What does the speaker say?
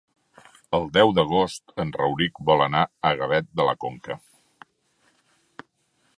El deu d'agost en Rauric vol anar a Gavet de la Conca.